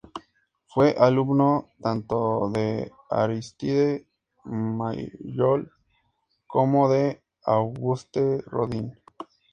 Fue alumno tanto de Aristide Maillol como de Auguste Rodin.